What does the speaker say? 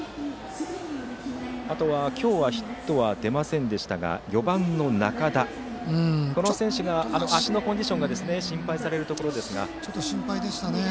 あとは今日はヒットは出ませんでしたが４番の仲田、この選手は足のコンディションがちょっと心配でしたね。